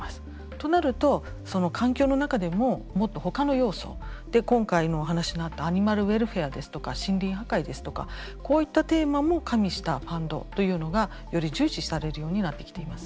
となるとその環境の中でももっとほかの要素で今回のお話のあったアニマルウェルフェアですとか森林破壊ですとかこういったテーマも加味したファンドというのがより重視されるようになってきています。